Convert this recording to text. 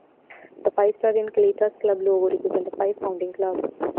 The five stars in Kallithea's club logo represent the five founding clubs.